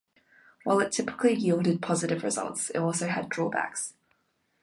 While it typically yielded positive results, it also had drawbacks.